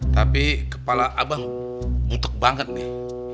tapi kepala abah mutek banget nih